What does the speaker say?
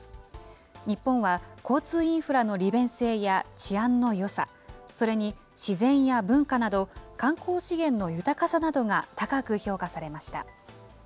日本は交通インフラの利便性や、治安のよさ、それに自然や文化など、観光資源の豊かさなどが高く評価されました。